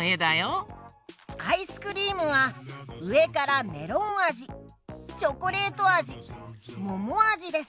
アイスクリームはうえからメロンあじチョコレートあじももあじです！